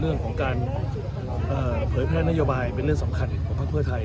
เรื่องของการเผยแพร่นโยบายเป็นเรื่องสำคัญของพักเพื่อไทย